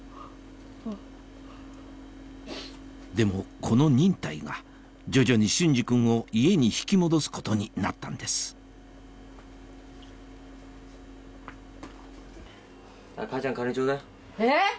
でもこの忍耐が徐々に隼司君を家に引き戻すことになったんですえ